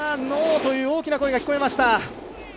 ノー！という大きな声が聞こえました。